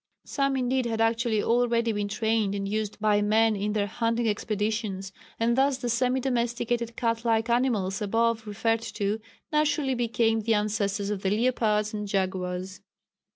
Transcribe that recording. Some indeed had actually already been trained and used by men in their hunting expeditions, and thus the semi domesticated cat like animals above referred to naturally became the ancestors of the leopards and jaguars.